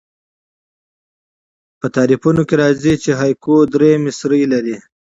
په تعریفونو کښي راځي، چي هایکو درې مصرۍ لري.